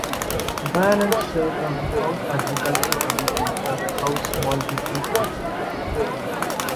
Ballance served on the House Agriculture Committee and the House Small Business Committee.